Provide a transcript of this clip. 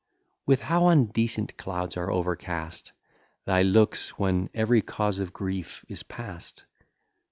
With how undecent clouds are overcast Thy looks, when every cause of grief is past!